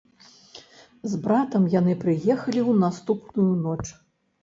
З братам яны прыехалі ў наступную ноч.